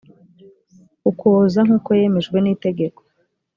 ukuboza nk uko yemejwe n itegeko